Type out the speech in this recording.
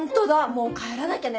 もう帰らなきゃね。